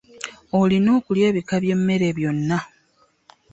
Olina okulya ebika by'emmere byonna.